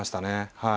はい。